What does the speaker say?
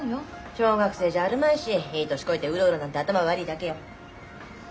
小学生じゃあるまいしいい年こいてうろうろなんて頭悪いだけよ。